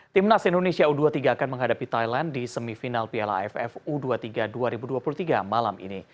timnas indonesia u dua puluh tiga akan menghadapi thailand di semifinal piala aff u dua puluh tiga dua ribu dua puluh tiga malam ini